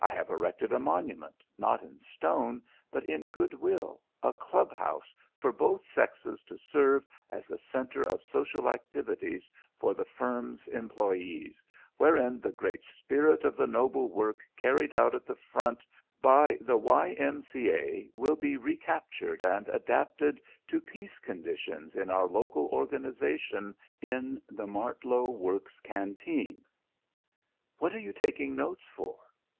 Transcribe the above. I have erected a monument, not in stone, but in goodwill, a club house for both sexes to serve as a centre of social activities for the firm's employees, wherein the great spirit of the noble work carried out at the Front by by the Y.M.C.A. will be recaptured and adapted to peace conditions in our local organisation in the Martlow Works Canteen. What are you taking notes for?"